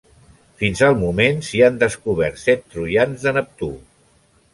Fins al moment s'hi han descobert set troians de Neptú.